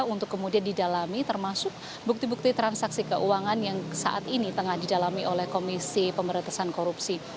untuk kemudian didalami termasuk bukti bukti transaksi keuangan yang saat ini tengah didalami oleh komisi pemerintahan korupsi